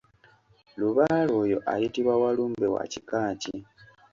Lubaale oyo ayitibwa Walumbe wa kika ki?